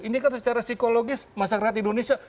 ini kan secara psikologis masyarakat indonesia